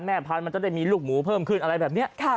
พันธุ์มันจะได้มีลูกหมูเพิ่มขึ้นอะไรแบบนี้